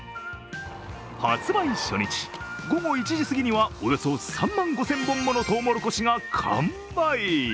発売初日、午後１時すぎにはおよそ３万５０００本ものトウモロコシが完売。